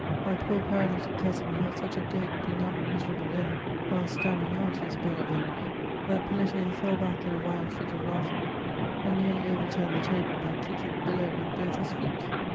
My poor paralytic cousin had such a dead, benumbed, miserable air while stammering out his heUa Venere^ that Pelletier fell back in a wild fit of laughing, and nearly overturned the table by kicking it below with bolli his feet.